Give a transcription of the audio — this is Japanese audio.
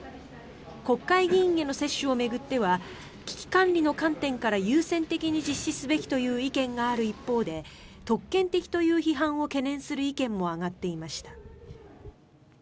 国会議員への接種を巡っては危機管理の観点から優先的に実施すべきという意見がある一方で特権的という批判を懸念する意見も上がっていました。